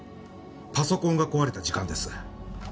パソコンが壊れた時間です。